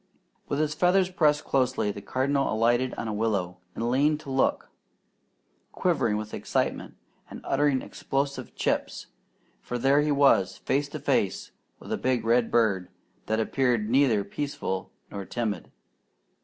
With his feathers pressed closely, the Cardinal alighted on a willow, and leaned to look, quivering with excitement and uttering explosive "chips"; for there he was, face to face with a big redbird that appeared neither peaceful nor timid.